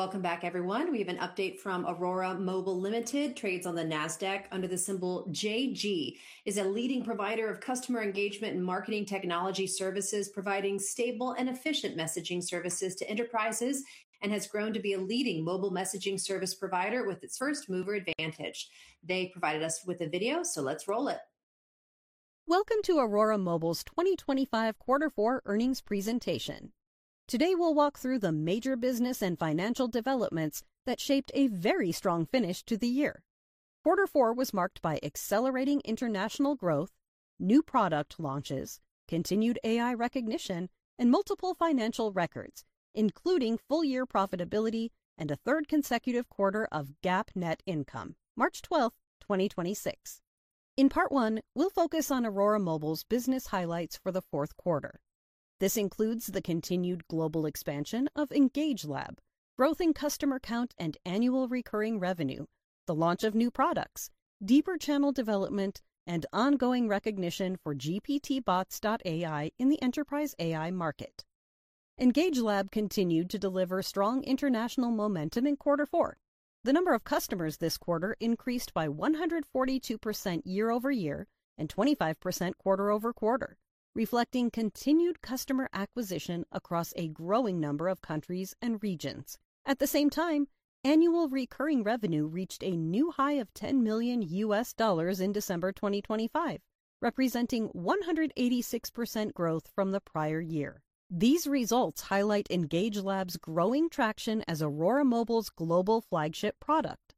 Welcome back, everyone. We have an update from Aurora Mobile Limited, trades on the Nasdaq under the symbol JG. It is a leading provider of customer engagement and marketing technology services, providing stable and efficient messaging services to enterprises and has grown to be a leading mobile messaging service provider with its first-mover advantage. They provided us with a video, so let's roll it. Welcome to Aurora Mobile's 2025 quarter four earnings presentation. Today, we'll walk through the major business and financial developments that shaped a very strong finish to the year. Quarter four was marked by accelerating international growth, new product launches, continued AI recognition, and multiple financial records, including full-year profitability and a third consecutive quarter of GAAP net income. March twelfth, 2026. In part one, we'll focus on Aurora Mobile's business highlights for the fourth quarter. This includes the continued global expansion of EngageLab, growth in customer count and annual recurring revenue, the launch of new products, deeper channel development, and ongoing recognition for GPTBots.ai in the enterprise AI market. EngageLab continued to deliver strong international momentum in quarter four. The number of customers this quarter increased by 142% year-over-year and 25% quarter-over-quarter, reflecting continued customer acquisition across a growing number of countries and regions. At the same time, annual recurring revenue reached a new high of $10 million in December 2025, representing 186% growth from the prior year. These results highlight EngageLab's growing traction as Aurora Mobile's global flagship product.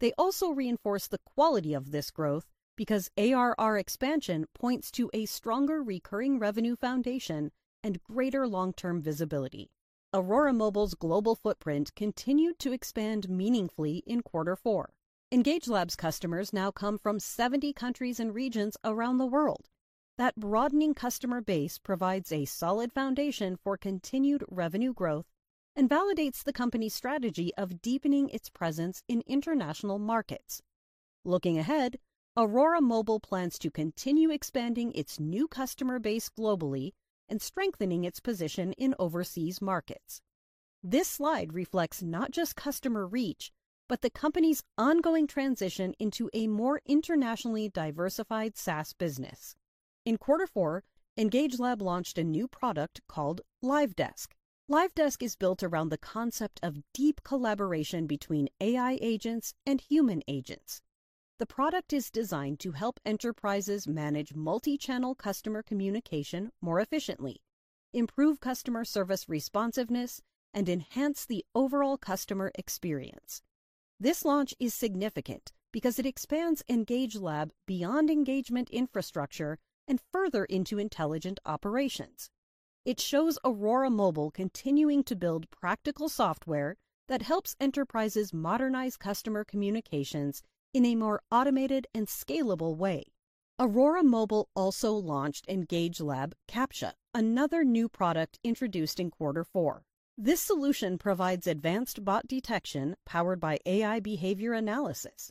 They also reinforce the quality of this growth because ARR expansion points to a stronger recurring revenue foundation and greater long-term visibility. Aurora Mobile's global footprint continued to expand meaningfully in quarter four. EngageLab's customers now come from 70 countries and regions around the world. That broadening customer base provides a solid foundation for continued revenue growth and validates the company's strategy of deepening its presence in international markets. Looking ahead, Aurora Mobile plans to continue expanding its new customer base globally and strengthening its position in overseas markets. This slide reflects not just customer reach, but the company's ongoing transition into a more internationally diversified SaaS business. In quarter four, EngageLab launched a new product called LiveDesk. LiveDesk is built around the concept of deep collaboration between AI agents and human agents. The product is designed to help enterprises manage multi-channel customer communication more efficiently, improve customer service responsiveness, and enhance the overall customer experience. This launch is significant because it expands EngageLab beyond engagement infrastructure and further into intelligent operations. It shows Aurora Mobile continuing to build practical software that helps enterprises modernize customer communications in a more automated and scalable way. Aurora Mobile also launched EngageLab CAPTCHA, another new product introduced in quarter four. This solution provides advanced bot detection powered by AI behavior analysis.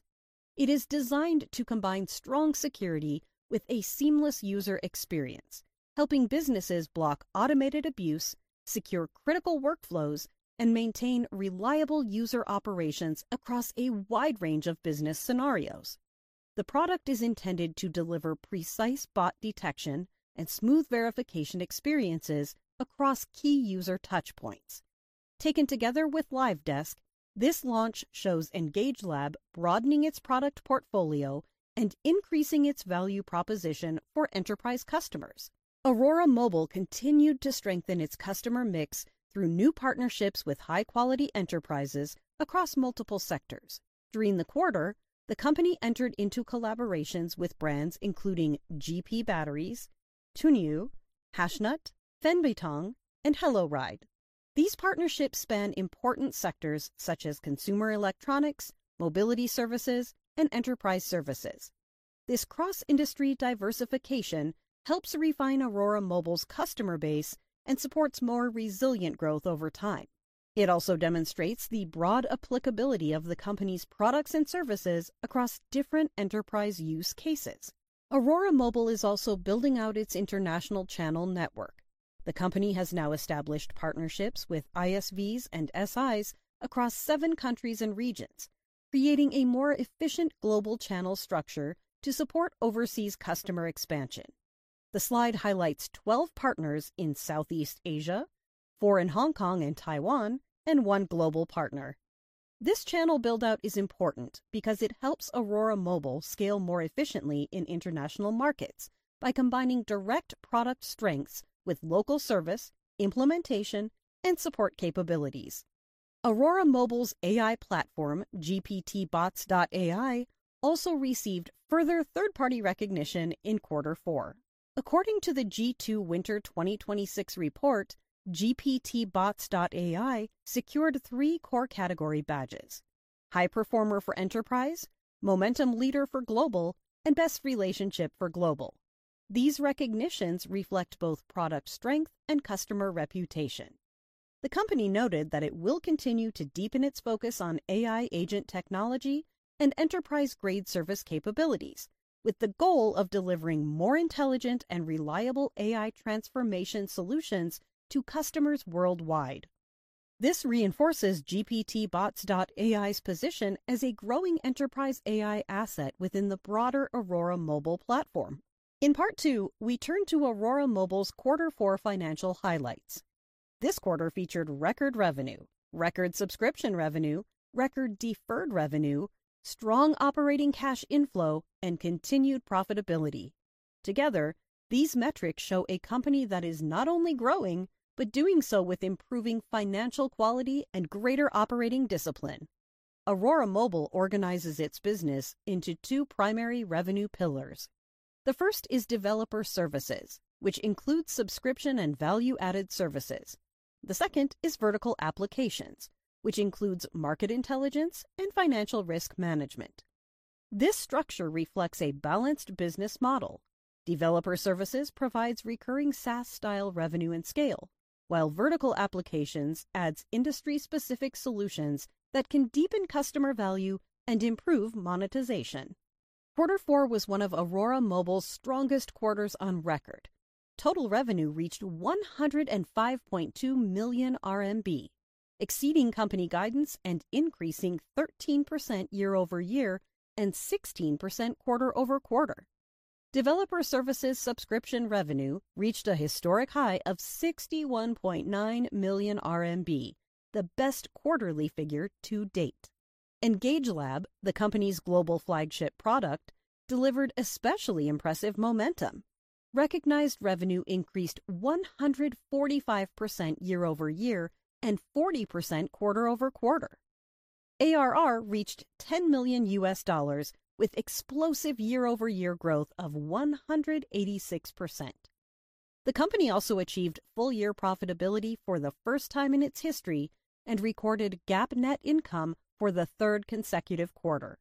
It is designed to combine strong security with a seamless user experience, helping businesses block automated abuse, secure critical workflows, and maintain reliable user operations across a wide range of business scenarios. The product is intended to deliver precise bot detection and smooth verification experiences across key user touch points. Taken together with LiveDesk, this launch shows EngageLab broadening its product portfolio and increasing its value proposition for enterprise customers. Aurora Mobile continued to strengthen its customer mix through new partnerships with high-quality enterprises across multiple sectors. During the quarter, the company entered into collaborations with brands including GP Batteries, Tuniu, HashNut, Fenbeitong, and HelloRide. These partnerships span important sectors such as consumer electronics, mobility services, and enterprise services. This cross-industry diversification helps refine Aurora Mobile's customer base and supports more resilient growth over time. It also demonstrates the broad applicability of the company's products and services across different enterprise use cases. Aurora Mobile is also building out its international channel network. The company has now established partnerships with ISVs and SIs across seven countries and regions, creating a more efficient global channel structure to support overseas customer expansion. The slide highlights 12 partners in Southeast Asia, four in Hong Kong and Taiwan, and one global partner. This channel build-out is important because it helps Aurora Mobile scale more efficiently in international markets by combining direct product strengths with local service, implementation, and support capabilities. Aurora Mobile's AI platform, GPTBots.ai, also received further third-party recognition in quarter four. According to the G2 Winter 2026 report, GPTBots.ai secured three core category badges: High Performer for Enterprise, Momentum Leader for Global, and Best Relationship for Global. These recognitions reflect both product strength and customer reputation. The company noted that it will continue to deepen its focus on AI agent technology and enterprise-grade service capabilities, with the goal of delivering more intelligent and reliable AI transformation solutions to customers worldwide. This reinforces GPTBots.ai's position as a growing enterprise AI asset within the broader Aurora Mobile platform. In part two, we turn to Aurora Mobile's quarter four financial highlights. This quarter featured record revenue, record subscription revenue, record deferred revenue, strong operating cash inflow, and continued profitability. Together, these metrics show a company that is not only growing, but doing so with improving financial quality and greater operating discipline. Aurora Mobile organizes its business into two primary revenue pillars. The first is developer services, which includes subscription and value-added services. The second is vertical applications, which includes market intelligence and financial risk management. This structure reflects a balanced business model. Developer services provides recurring SaaS-style revenue and scale, while vertical applications adds industry-specific solutions that can deepen customer value and improve monetization. Quarter four was one of Aurora Mobile's strongest quarters on record. Total revenue reached 105.2 million RMB, exceeding company guidance and increasing 13% year-over-year and 16% quarter-over-quarter. Developer services subscription revenue reached a historic high of 61.9 million RMB, the best quarterly figure to date. EngageLab, the company's global flagship product, delivered especially impressive momentum. Recognized revenue increased 145% year-over-year and 40% quarter-over-quarter. ARR reached $10 million with explosive year-over-year growth of 186%. The company also achieved full-year profitability for the first time in its history and recorded GAAP net income for the third consecutive quarter.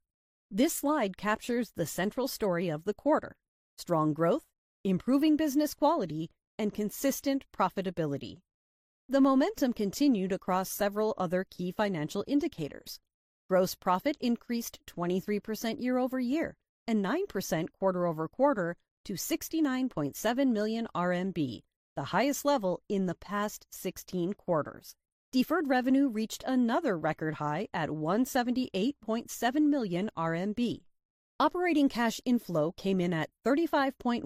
This slide captures the central story of the quarter: strong growth, improving business quality, and consistent profitability. The momentum continued across several other key financial indicators. Gross profit increased 23% year-over-year and 9% quarter-over-quarter to 69.7 million RMB, the highest level in the past 16 quarters. Deferred revenue reached another record high at 178.7 million RMB. Operating cash inflow came in at 35.1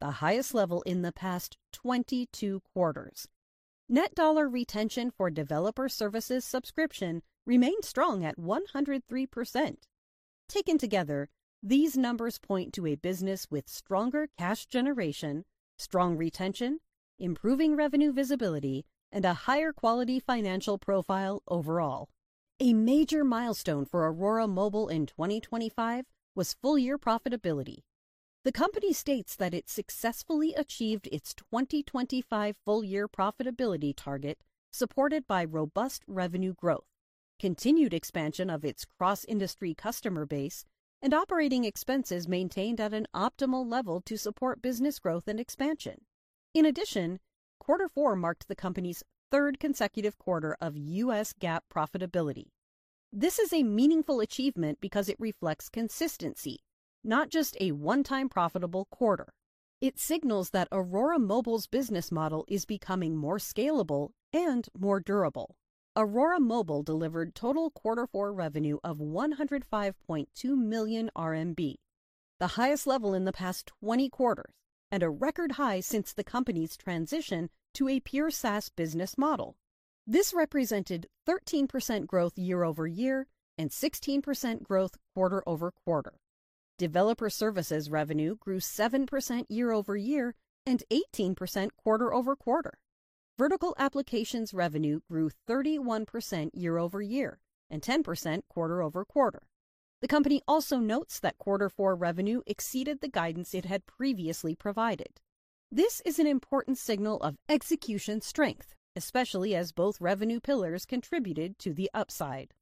million RMB, the highest level in the past 22 quarters. Net dollar retention for developer services subscription remained strong at 103%. Taken together, these numbers point to a business with stronger cash generation, strong retention, improving revenue visibility, and a higher quality financial profile overall. A major milestone for Aurora Mobile in 2025 was full-year profitability. The company states that it successfully achieved its 2025 full-year profitability target, supported by robust revenue growth, continued expansion of its cross-industry customer base, and operating expenses maintained at an optimal level to support business growth and expansion. In addition, Q4 marked the company's third consecutive quarter of US GAAP profitability. This is a meaningful achievement because it reflects consistency, not just a one-time profitable quarter. It signals that Aurora Mobile's business model is becoming more scalable and more durable. Aurora Mobile delivered total Q4 revenue of 105.2 million RMB, the highest level in the past 20 quarters and a record high since the company's transition to a pure SaaS business model. This represented 13% growth year-over-year and 16% growth quarter-over-quarter. Developer services revenue grew 7% year-over-year and 18% quarter-over-quarter. Vertical applications revenue grew 31% year-over-year and 10% quarter-over-quarter. The company also notes that quarter four revenue exceeded the guidance it had previously provided. This is an important signal of execution strength, especially as both revenue pillars contributed to the upside.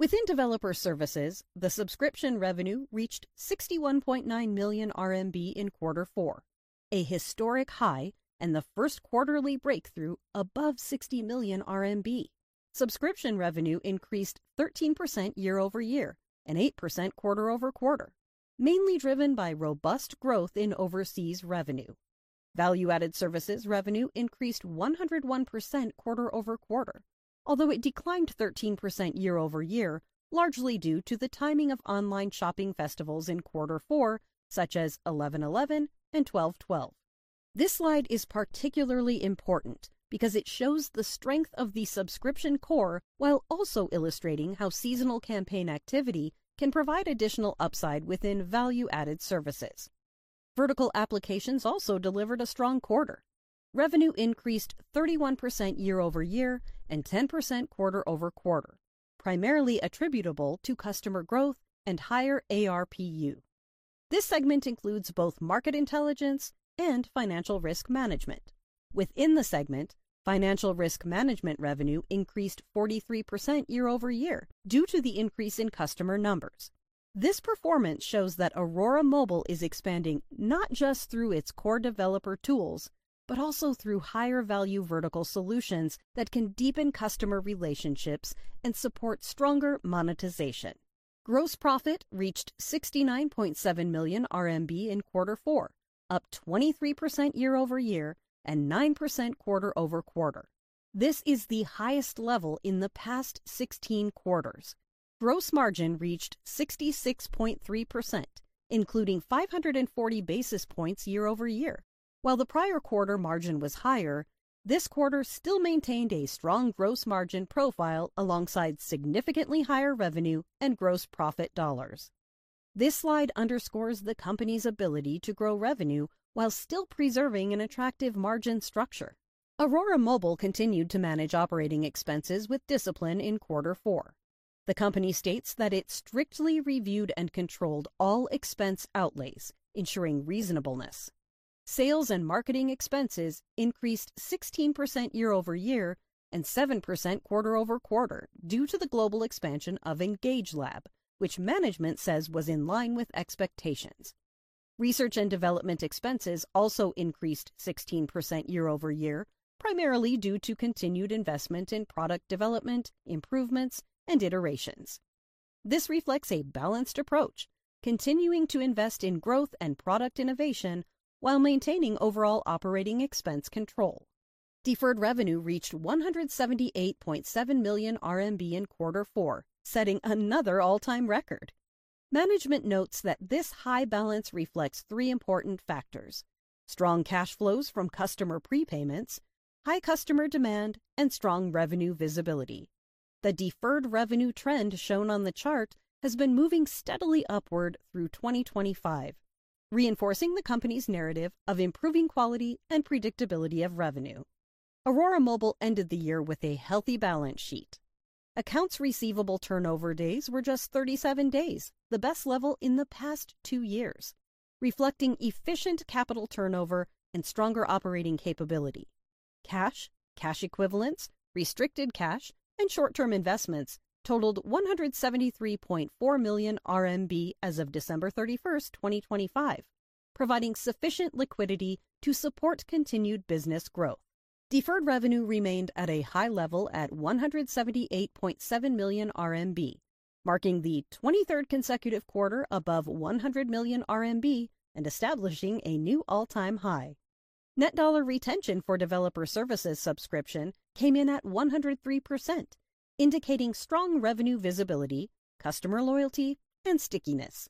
Within developer services, the subscription revenue reached 61.9 million RMB in quarter four, a historic high and the first quarterly breakthrough above 60 million RMB. Subscription revenue increased 13% year-over-year and 8% quarter-over-quarter, mainly driven by robust growth in overseas revenue. Value-added services revenue increased 101% quarter-over-quarter, although it declined 13% year-over-year, largely due to the timing of online shopping festivals in quarter four, such as 11/11 and 12/12. This slide is particularly important because it shows the strength of the subscription core while also illustrating how seasonal campaign activity can provide additional upside within value-added services. Vertical applications also delivered a strong quarter. Revenue increased 31% year-over-year and 10% quarter-over-quarter, primarily attributable to customer growth and higher ARPU. This segment includes both market intelligence and financial risk management. Within the segment, financial risk management revenue increased 43% year-over-year due to the increase in customer numbers. This performance shows that Aurora Mobile is expanding not just through its core developer tools, but also through higher value vertical solutions that can deepen customer relationships and support stronger monetization. Gross profit reached 69.7 million RMB in quarter four, up 23% year-over-year and 9% quarter-over-quarter. This is the highest level in the past 16 quarters. Gross margin reached 66.3%, including 540 basis points year-over-year. While the prior quarter margin was higher, this quarter still maintained a strong gross margin profile alongside significantly higher revenue and gross profit dollars. This slide underscores the company's ability to grow revenue while still preserving an attractive margin structure. Aurora Mobile continued to manage operating expenses with discipline in quarter four. The company states that it strictly reviewed and controlled all expense outlays, ensuring reasonableness. Sales and marketing expenses increased 16% year-over-year and 7% quarter-over-quarter due to the global expansion of EngageLab, which management says was in line with expectations. Research and development expenses also increased 16% year-over-year, primarily due to continued investment in product development, improvements, and iterations. This reflects a balanced approach, continuing to invest in growth and product innovation while maintaining overall operating expense control. Deferred revenue reached 178.7 million RMB in quarter four, setting another all-time record. Management notes that this high balance reflects three important factors: strong cash flows from customer prepayments, high customer demand, and strong revenue visibility. The deferred revenue trend shown on the chart has been moving steadily upward through 2025, reinforcing the company's narrative of improving quality and predictability of revenue. Aurora Mobile ended the year with a healthy balance sheet. Accounts receivable turnover days were just 37 days, the best level in the past two years, reflecting efficient capital turnover and stronger operating capability. Cash, cash equivalents, restricted cash, and short-term investments totaled 173.4 million RMB as of December 31st, 2025, providing sufficient liquidity to support continued business growth. Deferred revenue remained at a high level at 178.7 million RMB, marking the 23rd consecutive quarter above 100 million RMB and establishing a new all-time high. Net dollar retention for developer services subscription came in at 103%, indicating strong revenue visibility, customer loyalty, and stickiness.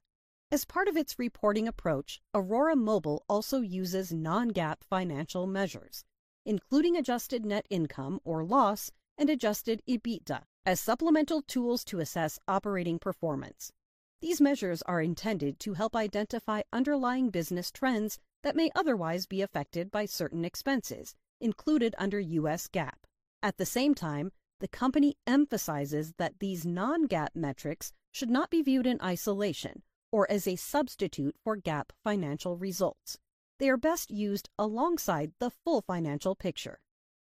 As part of its reporting approach, Aurora Mobile also uses non-GAAP financial measures, including adjusted net income or loss and adjusted EBITDA as supplemental tools to assess operating performance. These measures are intended to help identify underlying business trends that may otherwise be affected by certain expenses included under US GAAP. At the same time, the company emphasizes that these non-GAAP metrics should not be viewed in isolation or as a substitute for GAAP financial results. They are best used alongside the full financial picture.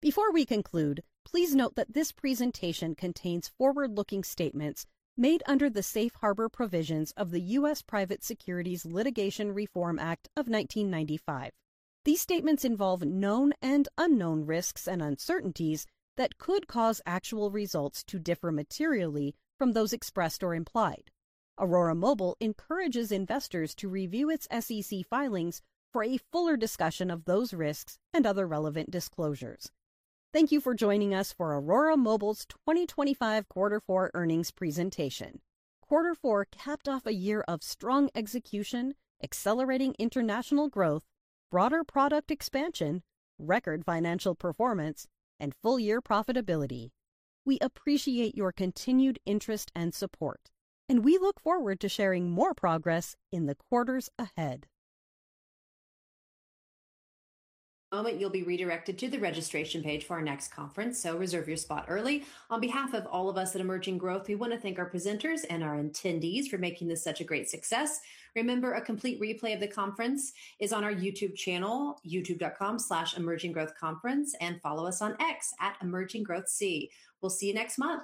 Before we conclude, please note that this presentation contains forward-looking statements made under the Safe Harbor provisions of the US Private Securities Litigation Reform Act of 1995. These statements involve known and unknown risks and uncertainties that could cause actual results to differ materially from those expressed or implied. Aurora Mobile encourages investors to review its SEC filings for a fuller discussion of those risks and other relevant disclosures. Thank you for joining us for Aurora Mobile's 2025 Q4 earnings presentation. Q4 capped off a year of strong execution, accelerating international growth, broader product expansion, record financial performance, and full-year profitability. We appreciate your continued interest and support, and we look forward to sharing more progress in the quarters ahead. In a moment, you'll be redirected to the registration page for our next conference, so reserve your spot early. On behalf of all of us at Emerging Growth, we want to thank our presenters and our attendees for making this such a great success. Remember, a complete replay of the conference is on our YouTube channel, youtube.com/emerginggrowthconference, and follow us on X at EmergingGrowthC. We'll see you next month